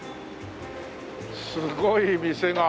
すごい店が。